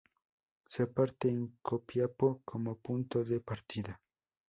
Se parte en Copiapó como punto de partida.